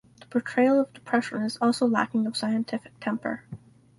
The portrayal of depression is also lacking of scientific temper.